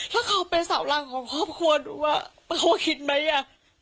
ถ้าเขาเป็นเสาหลังของครอบครัวดูว่าเขาคิดไหมอ่ะ